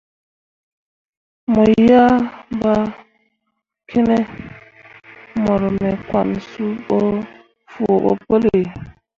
Mo yea ɓa kene mor me kwan suu ɓo fuo ɓo pəlli.